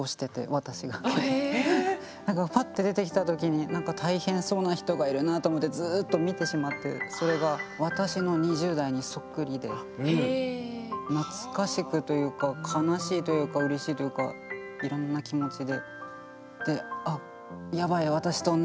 なんかパッて出てきた時に「大変そうな人がいるな」と思ってずっと見てしまってそれが懐かしくというか悲しいというかうれしいというかいろんな気持ちで。